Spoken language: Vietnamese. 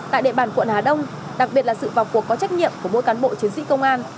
tại địa bàn quận hà đông đặc biệt là sự vào cuộc có trách nhiệm của mỗi cán bộ chiến sĩ công an